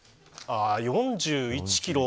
４１キロ。